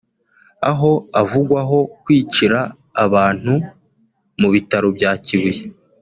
aho avugwaho kwicira abantu mu bitaro bya Kibuye